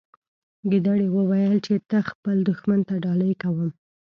ګیدړې وویل چې ته خپل دښمن ته ډالۍ ورکوي.